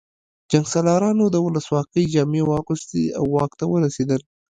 جنګسالارانو د ولسواکۍ جامې واغوستې او واک ته ورسېدل